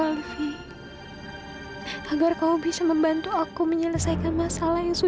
livi tolong bantu aku untuk menyelesaikan masalah ini